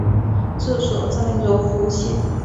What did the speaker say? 治所在柔服县。